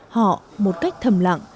họ một cách thầm lặng